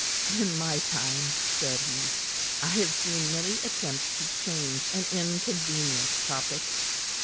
"In my time," said he, "I have seen many attempts to change an inconvenient topic.